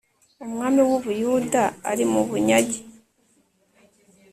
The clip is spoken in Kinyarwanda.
umwami w'u buyuda ari mu bunyage